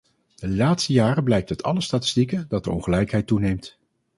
De laatste jaren blijkt uit alle statistieken dat de ongelijkheid toeneemt.